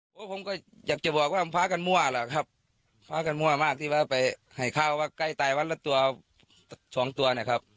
เพราะผมก็อยากจะบอกว่ามันฟ้ากันมั่วแหละครับฟ้ากันมั่วมากที่ว่าไปให้ข้าวว่าใกล้ตายวันละตัวสองตัวนะครับ